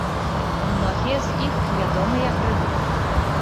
Многія з іх ядомыя грыбы.